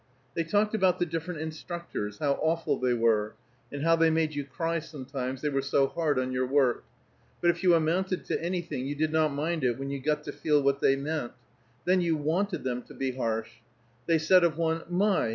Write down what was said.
They talked about the different instructors, how awful they were, and how they made you cry sometimes, they were so hard on your work; but if you amounted to anything, you did not mind it when you got to feel what they meant; then you wanted them to be harsh. They said of one, "My!